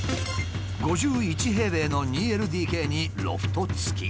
５１平米の２ＬＤＫにロフト付。